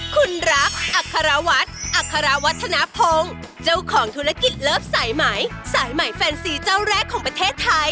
คุณรักอัครวัฒน์อัครวัฒนภงเจ้าของธุรกิจเลิฟสายไหมสายใหม่แฟนซีเจ้าแรกของประเทศไทย